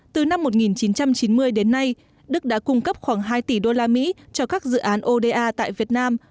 từ năm một nghìn chín trăm chín mươi đến nay đức đã cung cấp khoảng hai tỷ đô la mỹ cho các dự án oda tại việt nam